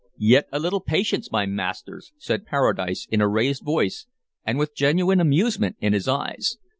"Yet a little patience, my masters!" said Paradise in a raised voice and with genuine amusement in his eyes.